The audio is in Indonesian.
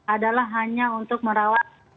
adalah hanya untuk merawat